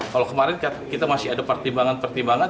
kalau kemarin kita masih ada pertimbangan pertimbangan